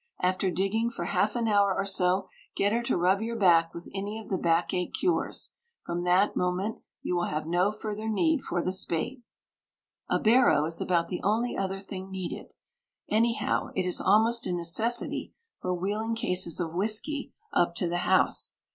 After digging for half an hour or so, get her to rub your back with any of the backache cures. From that moment you will have no further need for the spade. A barrow is about the only other thing needed; anyhow, it is almost a necessity for wheeling cases of whisky up to the house.